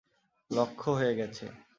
লক্ষ হয়ে গেছে।